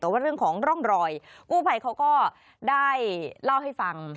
แต่ว่าเรื่องของร่องรอยกู้ภัยเขาก็ได้เล่าให้ฟัง